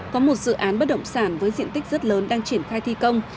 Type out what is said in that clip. có một dự án bất động sản với diện tích rất lớn đang triển khai thi công